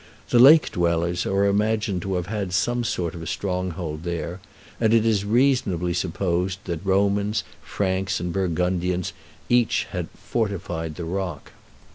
The lake dwellers are imagined to have had some sort of stronghold there; and it is reasonably supposed that Romans, Franks, and Burgundians had each fortified the rock.